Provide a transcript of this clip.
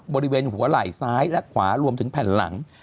บริเวณหัวไหล่ซ้ายและขวารวมถึงแผ่นหลัง